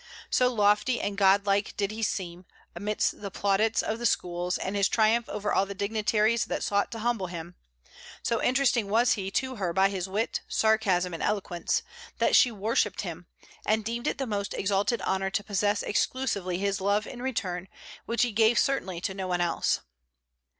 So lofty and godlike did he seem, amidst the plaudits of the schools, and his triumph over all the dignitaries that sought to humble him; so interesting was he to her by his wit, sarcasm, and eloquence, that she worshipped him, and deemed it the most exalted honor to possess exclusively his love in return, which he gave certainly to no one else.